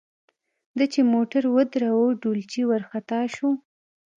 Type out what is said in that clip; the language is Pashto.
ده چې موټر ودراوه ډولچي ورخطا شو.